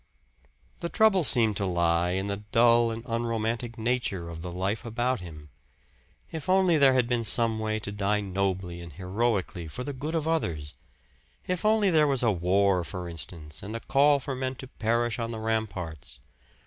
The trouble seemed to lie in the dull and unromantic nature of the life about him. If only there had been some way to die nobly and heroically for the good of others. If only there was a war, for instance, and a call for men to perish on the ramparts!